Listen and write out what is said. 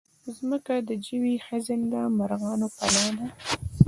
مځکه د ژوي، خزنده، مرغانو پناه ده.